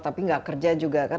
tapi nggak kerja juga kan